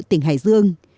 tỉnh hải dương